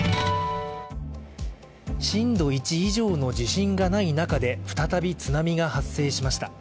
震度１以上の地震がない中で再び津波が発生しました。